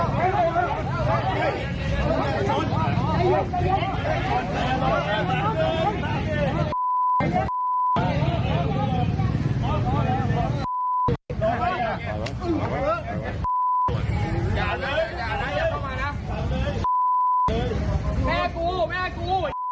แม่กูแม่กู